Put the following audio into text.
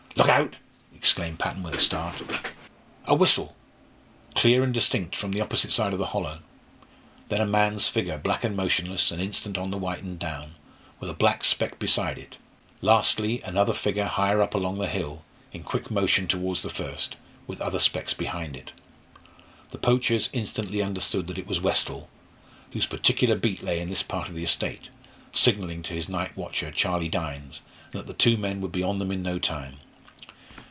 "Look out!" exclaimed Patton with a start. A whistle! clear and distinct from the opposite side of the hollow. Then a man's figure, black and motionless an instant on the whitened down, with a black speck beside it; lastly, another figure higher up along the hill, in quick motion towards the first, with other specks behind it. The poachers instantly understood that it was Westall whose particular beat lay in this part of the estate signalling to his night watcher, Charlie Dynes, and that the two men would be on them in no time.